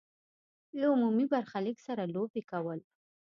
له عمومي برخلیک سره لوبې کول.